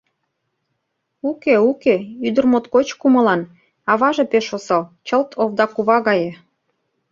Уке, уке, ӱдыр моткоч кумылан, аваже пеш осал, чылт овда кува гае.